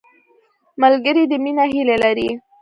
ملګری د مینې هیلې لري